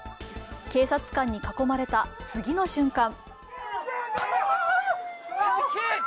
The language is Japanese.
警察官に囲まれた次の瞬間